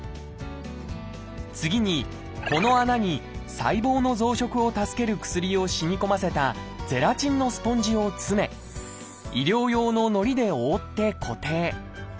次にこの穴に細胞の増殖を助ける薬を染み込ませたゼラチンのスポンジを詰め医療用の糊で覆って固定。